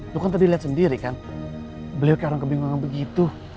lu kan tadi liat sendiri kan beliau kadang kebingungan begitu